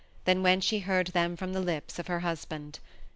than when she heard them from the lips of her husband.